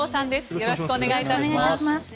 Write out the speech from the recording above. よろしくお願いします。